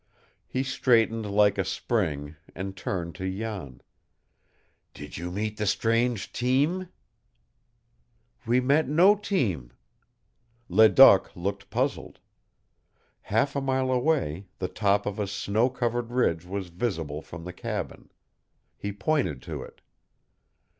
He straightened like a spring and turned, to Jan. "Did you meet the strange team?" "We met no team." Ledoq looked puzzled. Half a mile away, the top of a snow covered ridge was visible from the cabin. He pointed to it.